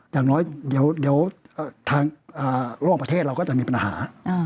อย่างน้อยเดี๋ยวทางร่วมประเทศเราก็จะมีปัญหา